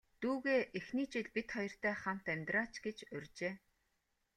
Дүүгээ эхний жил бид хоёртой хамт амьдраач гэж урьжээ.